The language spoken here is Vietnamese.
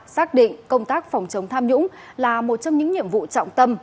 xác định công tác phòng chống tham nhũng là một trong những nhiệm vụ trọng tâm